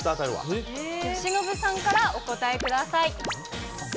由伸さんからお答えください。